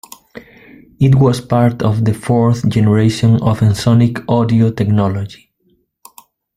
It was part of the fourth generation of Ensoniq audio technology.